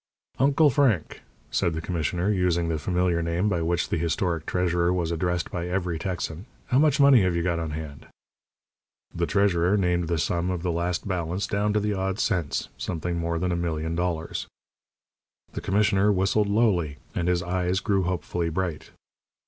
"Uncle Frank," said the commissioner, using the familiar name by which the historic treasurer was addressed by every Texan, "how much money have you got on hand?" The treasurer named the sum of the last balance down to the odd cents something more than a million dollars. The commissioner whistled lowly, and his eyes grew hopefully bright.